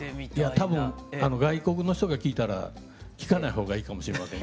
多分外国の人が聴いたら聴かない方がいいかもしれません。